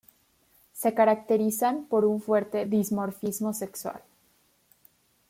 Se caracterizan por un fuerte dimorfismo sexual.